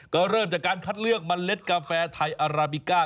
ก็เริ่มจากการคัดเลือกเมล็ดกาแฟไทยอาราบิก้า